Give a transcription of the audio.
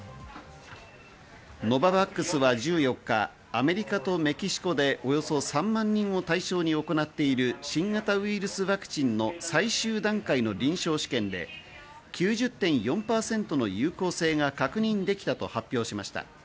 ノババックスは１４日、アメリカとメキシコでおよそ３万人を対象に行っている新型ウイルスワクチンの最終段階の臨床試験で９０．４％の有効性が確認できたと発表しました。